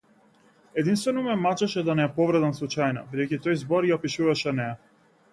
Единствено ме мачеше да не ја повредам случајно, бидејќи тој збор ја опишуваше неа.